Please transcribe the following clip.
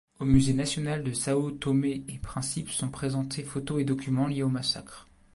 Au musée national de Sao Tomé-et-Principe sont présentés photos et documents liés au massacre.